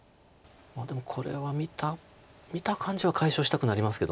でもこれは見た感じは解消したくなりますけど。